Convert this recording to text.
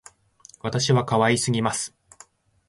私は可愛すぎます